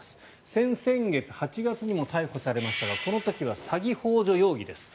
先々月、８月にも逮捕されましたがこの時は詐欺ほう助容疑です。